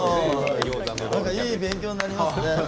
なんかいい勉強になりますね。